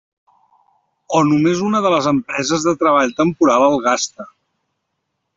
O només una de les empreses de treball temporal el gasta.